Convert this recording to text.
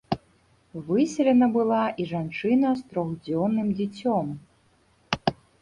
Выселена была і жанчына з трохдзённым дзіцём.